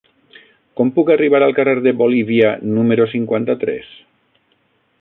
Com puc arribar al carrer de Bolívia número cinquanta-tres?